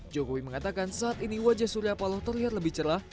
jokowi mengatakan saat ini wajah surya paloh terlihat lebih cerah